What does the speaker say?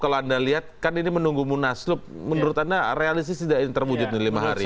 kalau anda lihat kan ini menunggu munasub menurut anda realisnya sudah terwujud nih lima hari